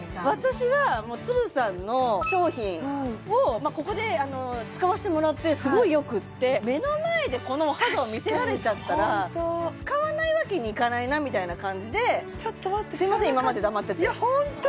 私はもうさんの商品をここで使わせてもらってすごいよくって目の前でこのお肌を見せられちゃったら使わないわけにいかないなみたいな感じでちょっと待って知らなかったすいません